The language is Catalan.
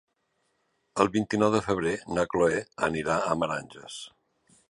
El vint-i-nou de febrer na Chloé anirà a Meranges.